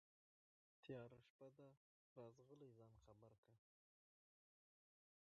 تياره شپه دا ده راځغلي ځان خبر كه